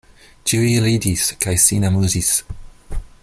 Ĉiuj ridis kaj sin amuzis.